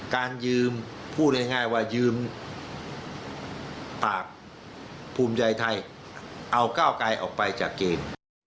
การยืมพูดง่ายว่ายืมปากภูมิใจไทยเอาก้าวไกลออกไปจากเกม